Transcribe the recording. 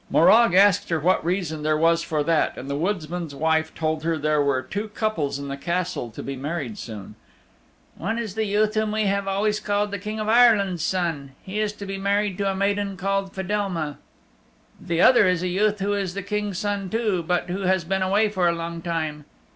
Morag asked her what reason there was for that, and the woodman's wife told her there were two couples in the Castle to be married soon. "One is the youth whom we have always called the King of Ireland's Son. He is to be married to a maiden called Fedelma. The other is a youth who is the King's son too, hut who has been away for a long time.